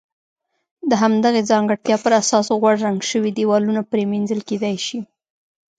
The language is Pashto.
د همدغې ځانګړتیا پر اساس غوړ رنګ شوي دېوالونه پرېمنځل کېدای شي.